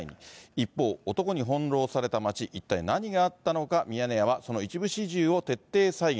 一方、男に翻弄された町、一体何があったのか、ミヤネ屋はその一部始終を徹底再現。